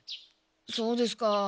そうですか。